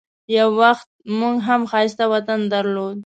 یو وخت موږ هم ښایسته وطن درلود.